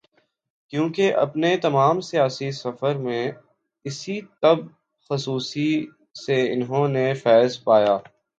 کیونکہ اپنے تمام سیاسی سفر میں اسی طب خصوصی سے انہوں نے فیض پایا۔